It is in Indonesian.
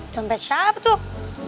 dompet siapa tuh